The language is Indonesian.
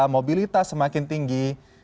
mobilitas semakin tinggi